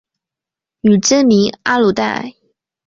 女真名阿鲁带。